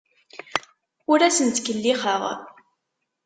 Ur asen-ttkellixeɣ.